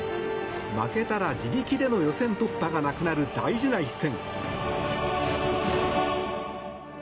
負けたら、自力での予選突破がなくなる大事な一戦。